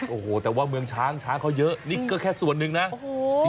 โอ้โหแต่ว่าเมืองช้างช้างเขาเยอะนี่ก็แค่ส่วนหนึ่งนะโอ้โห